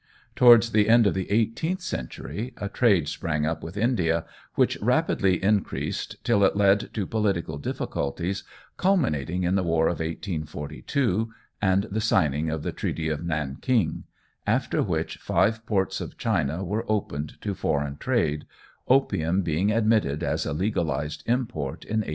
Towards the end of the eighteenth century a trade sprang up with India, which rapidly increased, till it led to political difficulties, culminating in the war of 1842, and the signing of the treaty of Nanking, after which five ports of China were opened to foreign trade, opium being admitted as a legalised import in 1858.